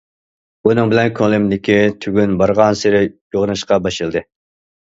بۇنىڭ بىلەن كۆڭلۈمدىكى تۈگۈن بارغانسېرى يوغىناشقا باشلىدى.